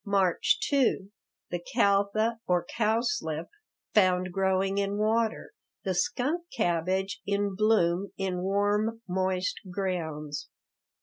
March 2 The caltha, or cowslip, found growing in water. The skunk cabbage in bloom in warm, moist grounds.